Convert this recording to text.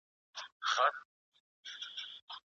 دولت د خصوصي سکتور بشپړ ملاتړ کوي.